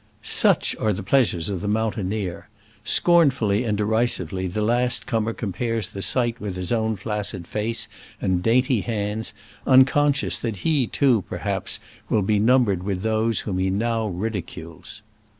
Such are the pleasures of the moun taineer! Scornfully and derisively the last comer compares the sight with his own flaccid face and dainty hands, un conscious that he too, perhaps, will be numbered with those whom he now ridicules.